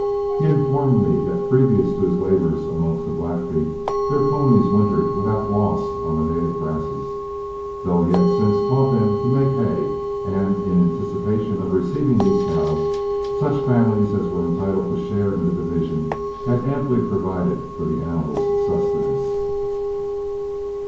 He informed me that previous to his labors amongst the Blackfeet their ponies wintered without loss on the native grasses, though he had since taught them to make hay, and in anticipation of receiving these cows, such families as were entitled to share in the division had amply provided for the animals' sustenance.